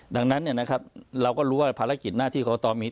ดังนั้นเนี่ยนะครับเราก็รู้ว่าภารกิจหน้าที่กรกตมี